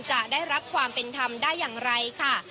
จะได้รับความเป็นธรรมได้อย่างไรค่ะ